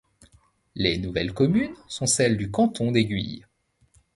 Les nouvelles communes sont celles du Canton d'Aiguilles.